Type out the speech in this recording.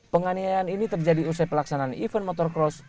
penganiayaan ini terjadi usai pelaksanaan event motor cross